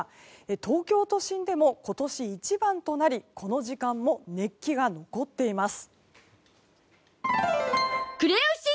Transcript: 東京都心でも今年一番となりこの時間も熱気が残っています。